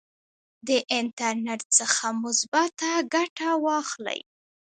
د انټرنیټ څخه مثبته ګټه واخلئ.